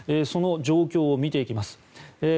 その状況を見ていきます。